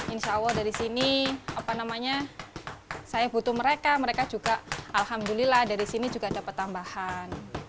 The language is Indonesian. insya allah dari sini apa namanya saya butuh mereka mereka juga alhamdulillah dari sini juga dapat tambahan